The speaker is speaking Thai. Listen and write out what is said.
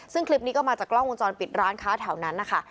ซึ่งคลิปนี้ก็มาจากกล้องวงจรปิดร้านค้าแถวนั้นนะคะ